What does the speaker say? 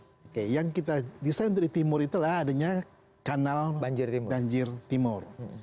oke yang kita desain dari timur itulah adanya kanal banjir timur